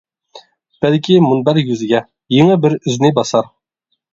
بەلكى مۇنبەر يۈزىگە، يېڭى بىر ئىزنى باسار.